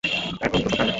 এখন তো সব জানলে।